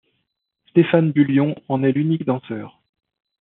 Stéphane Bullion en est l’unique danseur.